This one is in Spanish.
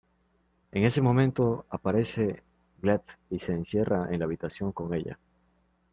En ese momento aparece Gleb y se encierra en la habitación con ella.